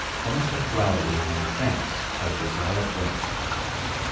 HOMOSEXUALITY AMONG TRAMPS. BY "JOSIAH FLYNT."